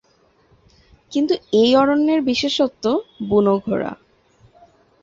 কিন্তু এই অরণ্যের বিশেষত্ব বুনো ঘোড়া।